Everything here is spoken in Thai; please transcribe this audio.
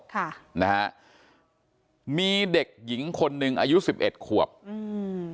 ค่ะนะฮะมีเด็กหญิงคนหนึ่งอายุสิบเอ็ดขวบอืม